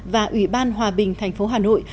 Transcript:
và ubnd tp hà nội